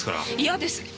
嫌です！